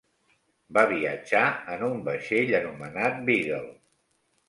Va viatjar en un vaixell anomenat Beagle.